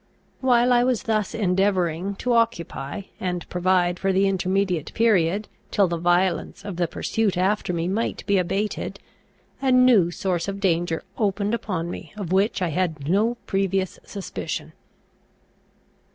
While I was thus endeavouring to occupy and provide for the intermediate period, till the violence of the pursuit after me might be abated, a new source of danger opened upon me of which I had no previous suspicion.